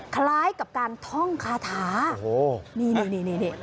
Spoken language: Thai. คล้ายกับการท่องคาถาโอ้โหนี่นี่